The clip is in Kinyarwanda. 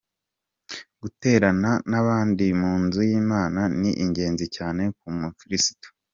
Guterana n’abandi mu nzu y’Imana ni ingenzi cyane ku mukiristu.